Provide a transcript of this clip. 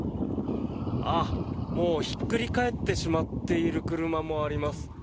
もうひっくり返ってしまっている車もあります。